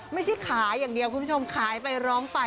ไม่ใช่ขายอย่างเดียวคุณผู้ชมขายไปร้องไป